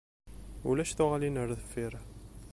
Ulac tuɣalin ar deffir.